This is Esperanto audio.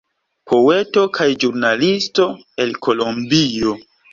Poeto kaj ĵurnalisto el Kolombio.